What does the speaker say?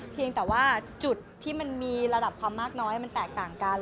เพียงแต่ว่าจุดที่มันมีระดับความมากน้อยมันแตกต่างกัน